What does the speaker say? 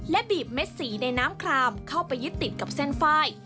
และบีบเม็ดสีในน้ำคลามเข้าไปยึดติดกับเส้นไฟล์